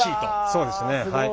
そうですねはい。